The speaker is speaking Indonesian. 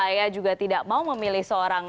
saya juga tidak mau memilih seorang